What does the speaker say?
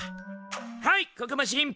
はいここも神秘！